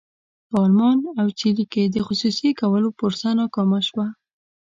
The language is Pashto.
په المان او چیلي کې د خصوصي کولو پروسه ناکامه شوه.